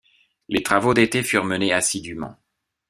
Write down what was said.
Les travaux d’été furent menés assidûment.